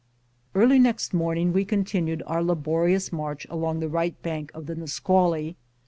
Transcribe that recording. Early next morning we continued our laborious march along the right bank of the Nisqually.